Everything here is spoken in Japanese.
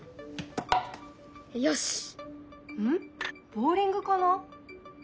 ボウリングかな？